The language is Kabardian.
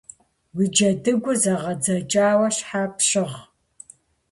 Уи джэдыгур зэгъэдзэкӏауэ щхьэ пщыгъ?